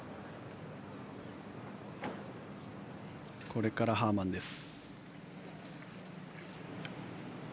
これからハーマンです。